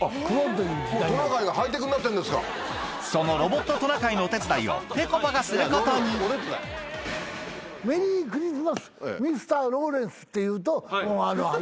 そのロボットトナカイのお手伝いをぺこぱがすることにミスターローレンス？